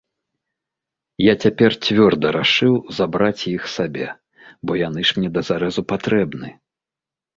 Я цяпер цвёрда рашыў забраць іх сабе, бо яны ж мне да зарэзу патрэбны.